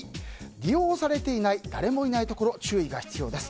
利用されていない誰もいないところも注意が必要です。